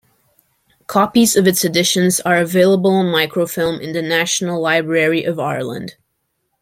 Copies of its editions are available on microfilm in the National Library of Ireland.